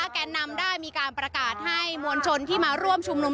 แกนนำได้มีการประกาศให้มวลชนที่มาร่วมชุมนุม